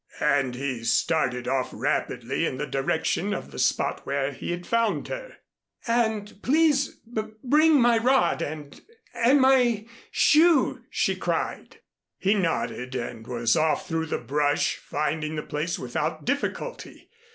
and he started off rapidly in the direction of the spot where he had found her. "And please b bring my rod and and my shoe," she cried. He nodded and was off through the brush, finding the place without difficulty.